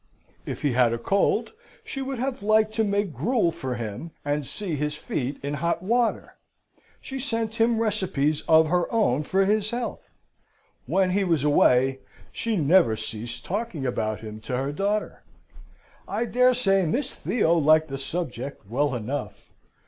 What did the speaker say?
If he had a cold, she would have liked to make gruel for him and see his feet in hot water. She sent him recipes of her own for his health. When he was away, she never ceased talking about him to her daughter. I dare say Miss Theo liked the subject well enough.